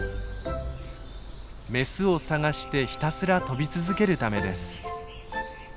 メスを探してひたすら飛び続けるためです。